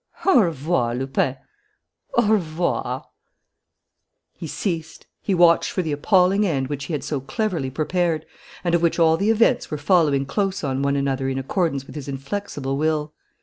Au revoir, Lupin, an revoir " He ceased. He watched for the appalling end which he had so cleverly prepared and of which all the incidents were following close on one another in accordance with his inflexible will.